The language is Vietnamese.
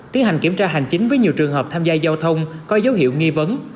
tiến hành kiểm tra hành chính với nhiều trường hợp tham gia giao thông có dấu hiệu nghi vấn